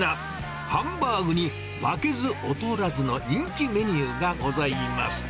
ハンバーグに負けず劣らずの人気メニューがございます。